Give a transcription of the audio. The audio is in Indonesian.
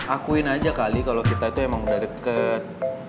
akuin aja kali kalau kita itu emang udah deket